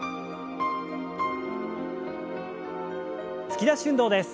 突き出し運動です。